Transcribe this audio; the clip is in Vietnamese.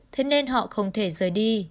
thế nên họ không thể rời đi